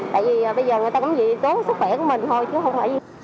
tại vì bây giờ người ta có gì tốn sức khỏe của mình thôi chứ không phải